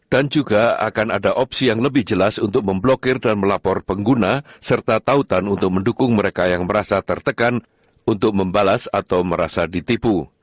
dan juga akan ada opsi yang lebih jelas untuk memblokir dan melapor pengguna serta tautan untuk mendukung mereka yang merasa tertekan untuk membalas atau merasa ditipu